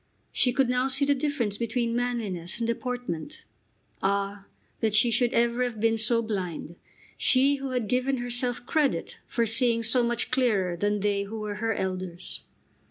She could now see the difference between manliness and "deportment." Ah, that she should ever have been so blind, she who had given herself credit for seeing so much clearer than they who were her elders!